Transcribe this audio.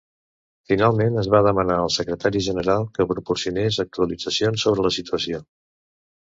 Finalment, es va demanar al Secretari General que proporcionés actualitzacions sobre la situació.